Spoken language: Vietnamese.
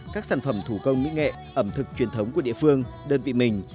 các sản phẩm thủ công mỹ nghệ ẩm thực truyền thống của địa phương đơn vị mình